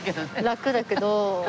楽だけど。